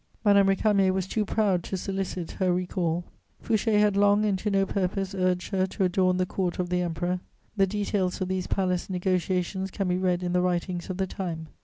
Madame Récamier was too proud to solicit her recall. Fouché had long and to no purpose urged her to adorn the Court of the Emperor: the details of these palace negociations can be read in the writings of the time.